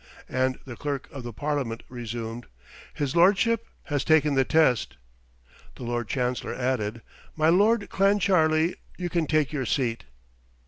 And the Clerk of the Parliament resumed, "His lordship has taken the test." The Lord Chancellor added, "My Lord Clancharlie, you can take your seat."